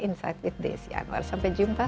insight with desi anwar sampai jumpa